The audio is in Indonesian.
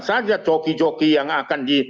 saja coki coki yang akan di